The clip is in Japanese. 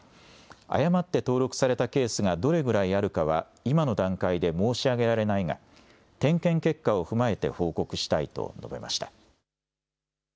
誤って登録されたケースがどれぐらいあるかは今の段階で申し上げられないが、点検結果を踏まえて報告したいと述べました。